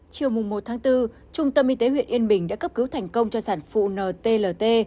chưa mùng một tháng bốn trung tâm y tế huyện yên bình đã cấp cứu thành công cho sản phụ n t l t